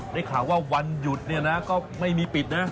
ได้ข่าวว่าวันหยุดก็ไม่มีปิดนะ